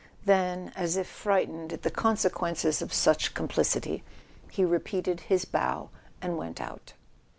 Then, as if frightened at the consequences of such complicity, he repeated his bow and went out.